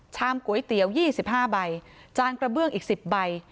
ชามไก๊เตี๋ยวยี่สิบห้าใบจานกระเบื้องอีกสิบใบ